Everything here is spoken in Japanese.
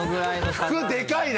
服でかいな！